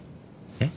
えっ？